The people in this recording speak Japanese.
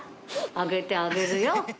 揚げてあげるよ。